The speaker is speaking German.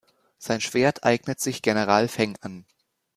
Sein Schwert eignet sich General Feng an.